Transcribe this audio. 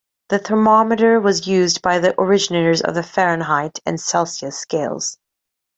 The thermometer was used by the originators of the Fahrenheit and Celsius scales.